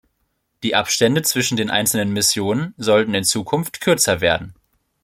Die Abstände zwischen den einzelnen Mission sollen in Zukunft kürzer werden.